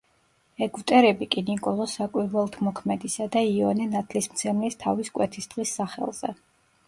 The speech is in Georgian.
ეგვტერები კი ნიკოლოზ საკვირველთმოქმედისა და იოანე ნათლისმცემლის თავის კვეთის დღის სახელზე.